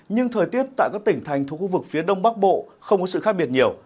nhưng thời tiết tại các tỉnh thành thuộc khu vực phía đông bắc bộ không có sự khác biệt nhiều